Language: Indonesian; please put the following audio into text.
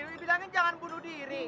dia bilangin jangan bunuh diri